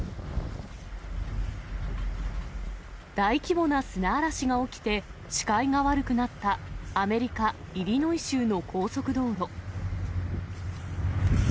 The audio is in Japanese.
大規模な砂嵐が起きて、視界が悪くなったアメリカ・イリノイ州の高速道路。